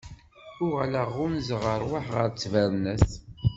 Uɣaleɣ ɣunzaɣ rrwaḥ ɣer ttbernat.